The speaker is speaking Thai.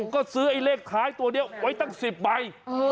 ก็ซื้อเลขท้ายตัวเดียวไว้ตั้ง๑๐ใบ